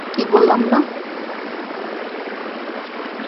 ঠিক বললাম না?